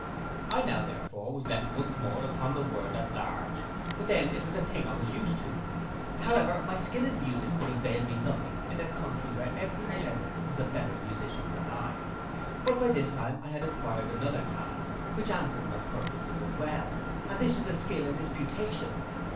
'I now therefore was left once more upon the world at large, but then it was a thing I was used to. However my skill in music could avail me nothing in a country where every peasant was a better musician than I; but by this time I had acquired another talent, which answered my purpose as well, and this was a skill in disputation.